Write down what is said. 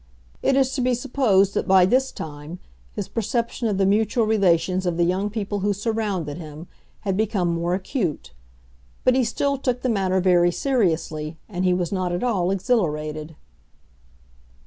It is to be supposed that by this time his perception of the mutual relations of the young people who surrounded him had become more acute; but he still took the matter very seriously, and he was not at all exhilarated.